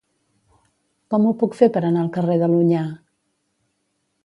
Com ho puc fer per anar al carrer de l'Onyar?